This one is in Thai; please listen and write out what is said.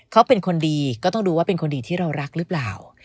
เขาเป็นคนดีก็ต้องดูว่าเป็นคนดีที่เรารักหรือเปล่า